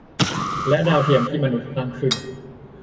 และดาวเทียมที่มนุษย์สร้างขึ้น